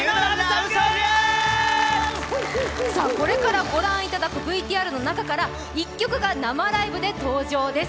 これから御覧いただくＶＴＲの中から１曲が生ライブで登場です。